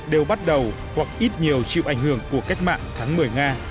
đều bắt đầu hoặc ít nhiều chịu ảnh hưởng của cách mạng tháng một mươi nga